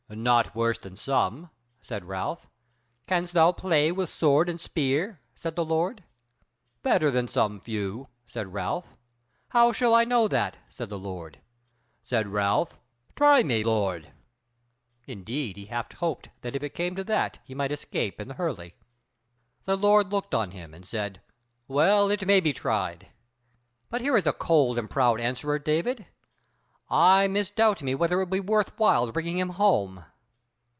"Not worse than some," said Ralph. "Can'st thou play with sword and spear?" said the Lord. "Better than some few," said Ralph. "How shall I know that?" said the Lord. Said Ralph: "Try me, lord!" Indeed, he half hoped that if it came to that, he might escape in the hurley. The Lord looked on him and said: "Well, it may be tried. But here is a cold and proud answerer, David. I misdoubt me whether it be worth while bringing him home."